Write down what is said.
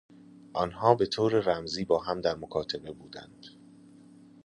آنها به طور رمزی با هم در مکاتبه بودند.